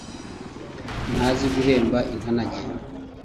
ntazi guhemba nk'intanage